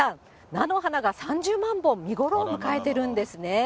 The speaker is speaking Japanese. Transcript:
菜の花が３０万本、見頃を迎えているんですね。